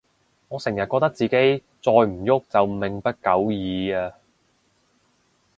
我成日覺得自己再唔郁就命不久矣